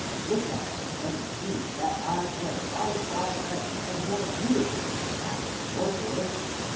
Look at me (and see), that I am by far better and more beautiful than tliat sorcerer.